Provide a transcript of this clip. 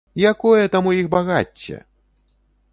Якое там у іх багацце?!